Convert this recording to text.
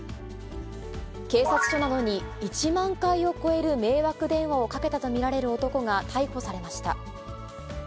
警察署などに、１万回を超える迷惑電話をかけたと見られる男が逮捕されました。